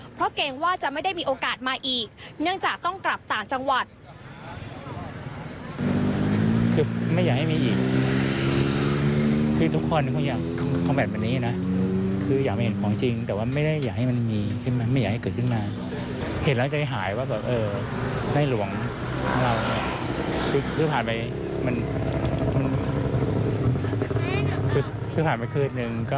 เพราะเกรงว่าจะไม่ได้มีโอกาสมาอีกเนื่องจากต้องกลับต่างจังหวัด